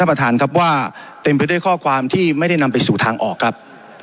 ประธานครับว่าเต็มไปด้วยข้อความที่ไม่ได้นำไปสู่ทางออกครับ